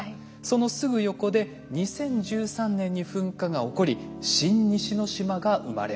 そのすぐ横で２０１３年に噴火が起こり新西之島が生まれました。